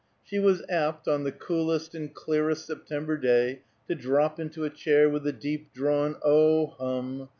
She was apt, on the coolest and clearest September day, to drop into a chair with a deep drawn "Oh, hum!"